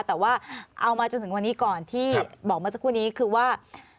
แต่ว่าเอามาจนถึงวันนี้ก่อนที่บอกเมื่อสักครู่นี้คือว่า